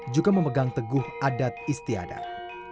juga memegang teguh adat istiadat